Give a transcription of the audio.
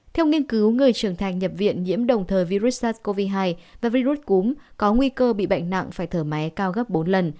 theo nghiên cứu người trưởng thành nhập viện nhiễm đồng thời virus sars cov hai và virus cúm có nguy cơ bị bệnh nặng phải thở máy cao gấp bốn lần